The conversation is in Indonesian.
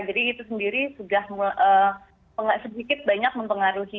jadi itu sendiri sudah sedikit banyak mempengaruhi